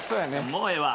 もうええわ。